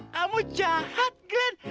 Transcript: kamu jahat glen